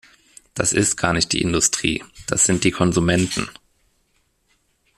Das ist gar nicht die Industrie, das sind die Konsumenten.